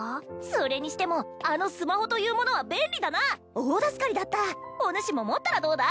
それにしてもあのスマホというものは便利だな大助かりだったおぬしも持ったらどうだ？